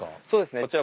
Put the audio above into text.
そうですね。